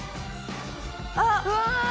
あっ！